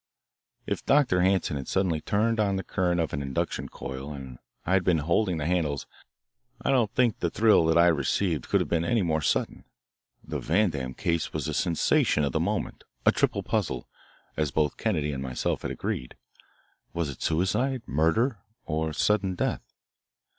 If Dr. Hanson had suddenly turned on the current of an induction coil and I had been holding the handles I don't think the thrill I received could have been any more sudden. The Vandam case was the sensation of the moment, a triple puzzle, as both Kennedy and myself had agreed. Was it suicide, murder, or sudden death?